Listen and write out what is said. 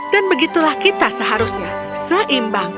dan begitulah kita seharusnya seimbang